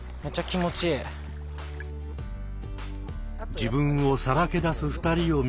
自分をさらけ出す２人を見た間地さん。